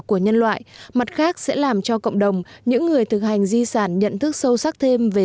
của nhân loại mặt khác sẽ làm cho cộng đồng những người thực hành di sản nhận thức sâu sắc thêm về